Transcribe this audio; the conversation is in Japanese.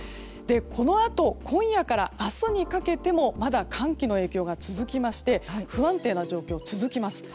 このあと今夜から明日にかけてもまだ寒気の影響が続きまして不安定な状況続きます。